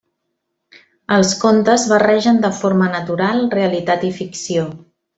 Els contes barregen de forma natural, realitat i ficció.